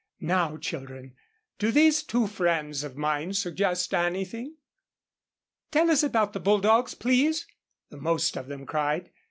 Now, children, do these two friends of mine suggest anything?" "Tell us about bulldogs, please," the most of them cried.